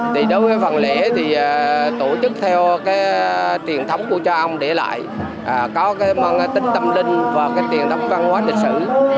đối với phần lễ thì tổ chức theo truyền thống của cha ông để lại có tính tâm linh và truyền thống văn hóa lịch sử